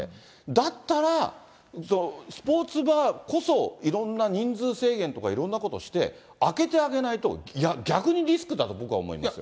だったら、スポーツバーこそ、いろんな人数制限とか、いろんなことをして開けてあげないと、逆にリスクだと僕は思いますよ。